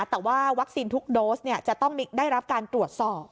แต่ว่าวัคซีนทุกโดสจะต้องได้รับการตรวจสอบ